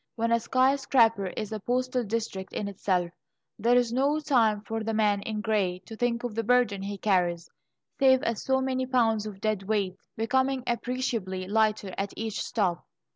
When a skyscraper is a postal district in itself, there is no time for the man in grey to think of the burden he carries, save as so many pounds of dead weight, becoming appreciably lighter at each stop.